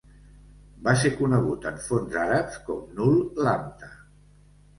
Va ser conegut en fonts àrabs com Noul Lamta.